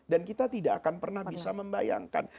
dan kita tidak akan pernah bisa membayangkan